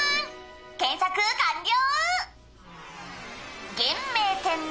「検索完了！」